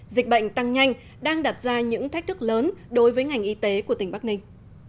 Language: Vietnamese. dịch bệnh tăng nhanh đang đặt ra những thách thức lớn đối với ngành y tế của tỉnh bắc ninh